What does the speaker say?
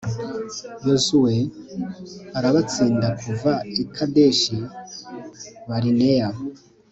yozuwe arabatsinda kuva i kadeshi barineya